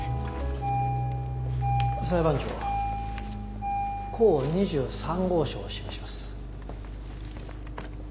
裁判長甲２３号証を示します。